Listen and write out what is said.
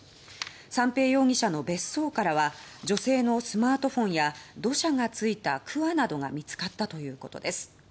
三瓶容疑者の別荘からは女性のスマートフォンや土砂がついたくわなどが見つかったということです。